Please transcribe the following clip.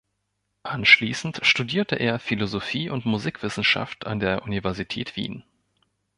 Anschließend studierte er Philosophie und Musikwissenschaft an der Universität Wien.